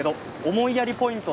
思いやりポイント